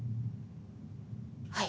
はい。